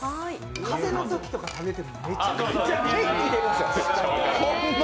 風邪のときとか食べてもめちゃくちゃ元気出るんですよ。